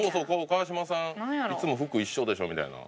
「川島さんいつも服一緒でしょ」みたいな。